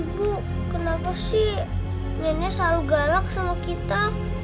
ibu kenapa sih mainnya selalu galak sama kita